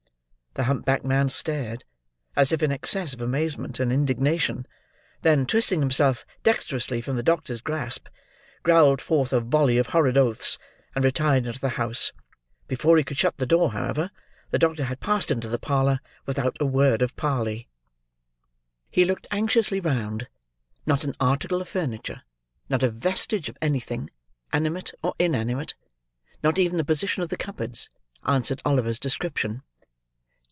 The hump backed man stared, as if in excess of amazement and indignation; then, twisting himself, dexterously, from the doctor's grasp, growled forth a volley of horrid oaths, and retired into the house. Before he could shut the door, however, the doctor had passed into the parlour, without a word of parley. He looked anxiously round; not an article of furniture; not a vestige of anything, animate or inanimate; not even the position of the cupboards; answered Oliver's description!